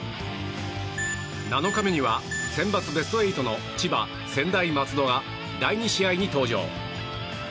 ７日目には、センバツベスト８の千葉・専大松戸が第２試合に登場。